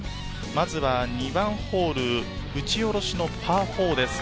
まずは２番ホール、打ち下ろしのパー４です。